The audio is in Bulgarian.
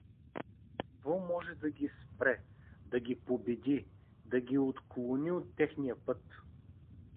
Какво може да ги спре, да ги победи, да ги отклони от техния път?